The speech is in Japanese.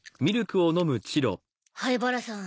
灰原さん